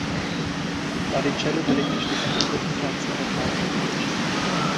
Barrichello belegte schließlich den dritten Platz in der Fahrerweltmeisterschaft.